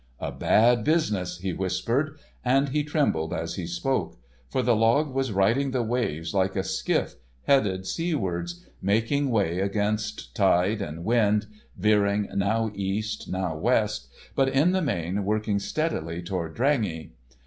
"A bad business," he whispered, and he trembled as he spoke. For the log was riding the waves like a skiff, headed seawards, making way against tide and wind, veering now east, now west, but in the main working steadily toward Drangey.